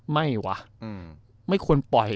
ไม่ว่ะอืมไม่ควรปล่อย